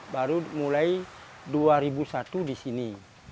baru mulai dua ribu satu di sini